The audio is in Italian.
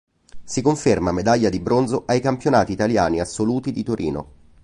Si conferma medaglia di bronzo ai campionati italiani assoluti di Torino.